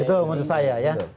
itu menurut saya ya